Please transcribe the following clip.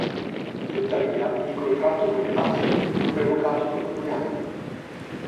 Tuttavia, il contratto con Tasso fu revocato dopo due anni.